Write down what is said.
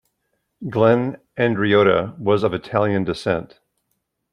Glenn Andreotta was of Italian descent.